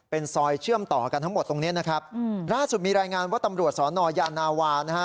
เป็นซอยเชื่อมต่อกันทั้งหมดตรงนี้นะครับล่าสุดมีรายงานว่าตำรวจสอนอยานาวานะฮะ